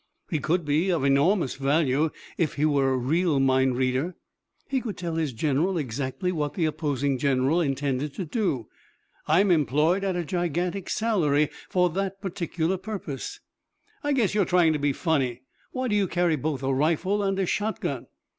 "He could be of enormous value. If he were a real mind reader he could tell his general exactly what the opposing general intended to do. I'm employed at a gigantic salary for that particular purpose." "I guess you're trying to be funny. Why do you carry both a rifle and a shotgun?"